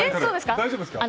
大丈夫ですか？